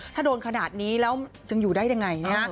ถ้าโดนขนาดนี้แล้วยังอยู่ได้ยังไงนะฮะ